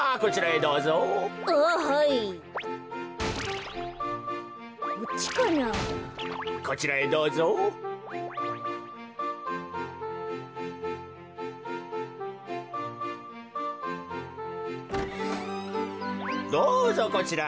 どうぞこちらへ。